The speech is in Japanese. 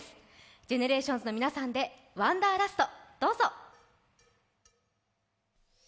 ＧＥＮＥＲＡＴＩＯＮＳの皆さんで「ワンダーラスト」。